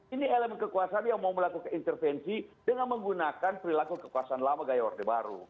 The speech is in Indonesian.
ini elemen kekuasaan yang mau melakukan intervensi dengan menggunakan perilaku kekuasaan lama gaya orde baru